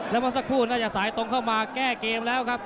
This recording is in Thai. แล้วเมื่อสักครู่น่าจะสายตรงเข้ามาแก้เกมแล้วครับ